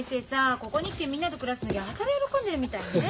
ここに来てみんなと暮らすのやたら喜んでるみたいね。